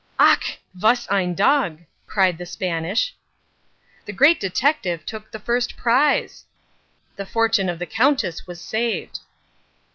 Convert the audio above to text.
"Ach! was ein Dog!" cried the Spanish. The Great Detective took the first prize! The fortune of the Countess was saved.